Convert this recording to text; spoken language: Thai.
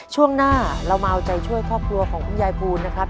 ช่วงหน้าเรามาเอาใจช่วยครอบครัวของคุณยายภูลนะครับ